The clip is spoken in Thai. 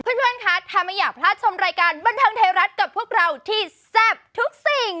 เพื่อนคะถ้าไม่อยากพลาดชมรายการบันเทิงไทยรัฐกับพวกเราที่แซ่บทุกสิ่ง